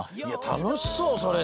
たのしそうそれ！